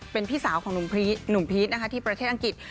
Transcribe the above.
เป็นพี่สาวของหนุ่มพีชนะคะที่ประเทศอังกฤษ